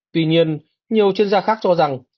tuy nhiên nhiều chuyên gia khác cho rằng